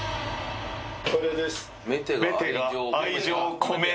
これです。